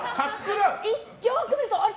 よく見ると、あれ？